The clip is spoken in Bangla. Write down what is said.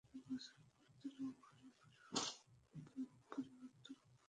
দুই বছর পর তাঁরা উভয়েই পদ পরিবর্তন করেন।